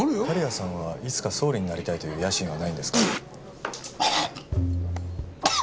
狩屋さんはいつか総理になりたいという野心はないんですか？